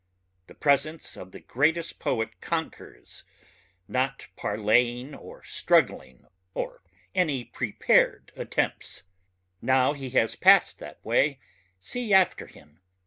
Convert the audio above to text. The presence of the greatest poet conquers ... not parleying or struggling or any prepared attempts. Now he has passed that way see after him!